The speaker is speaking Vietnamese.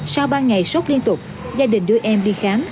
sau ba ngày sốc liên tục gia đình đưa em đi khám